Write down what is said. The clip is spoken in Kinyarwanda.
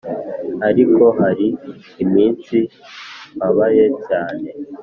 ariko hari iminsi mbabaye cyane.